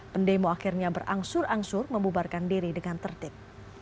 pendemo akhirnya berangsur angsur membubarkan diri dengan tertib